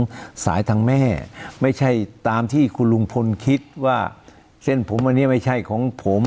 สายทางแม่ไม่ใช่ตามที่คุณลุงพลคิดว่าเส้นผมอันนี้ไม่ใช่ของผม